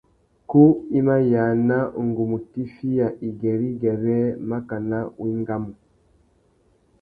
Kú i ma yāna ngu mù tifiya igüêrê-igüêrê makana wa engamú.